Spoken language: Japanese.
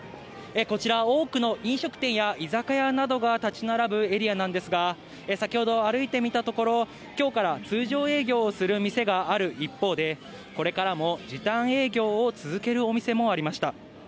こちら、多くの飲食店や居酒屋などが建ち並ぶエリアなんですが、先ほど歩いてみたところ、きょうから通常営業をする店がある一方で、これからも時短営業を続けるお店もありました。